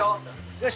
よし！